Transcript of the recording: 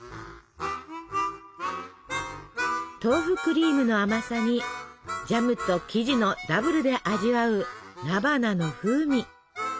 豆腐クリームの甘さにジャムと生地のダブルで味わう菜花の風味。